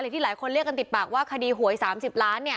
หรือที่หลายคนเรียกกันติดปากว่าคดีหวยสามสิบล้านเนี่ย